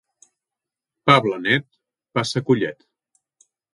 Pa blanet passa collet.